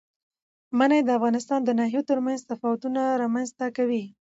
منی د افغانستان د ناحیو ترمنځ تفاوتونه رامنځ ته کوي.